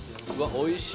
おいしい。